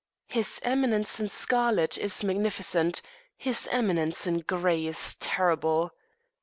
His Eminence in scarlet is magnificent; his Eminence in gray is terrible.